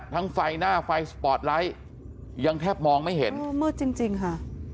ไฟหน้าไฟสปอร์ตไลท์ยังแทบมองไม่เห็นโอ้มืดจริงจริงค่ะ